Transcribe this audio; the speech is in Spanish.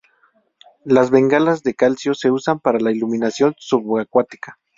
Las bengalas de calcio se usan para la iluminación subacuática.